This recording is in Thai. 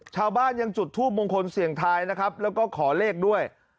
ชาวบ้านยังจุดทูปมงคลเสียงทายนะครับแล้วก็ขอเลขด้วย